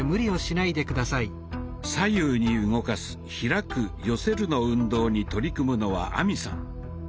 左右に動かす「開く・寄せる」の運動に取り組むのは亜美さん。